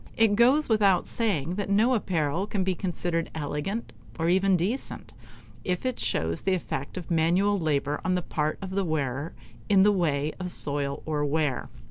It goes without saying that no apparel can be considered elegant, or even decent, if it shows the effect of manual labor on the part of the wearer, in the way of soil or wear.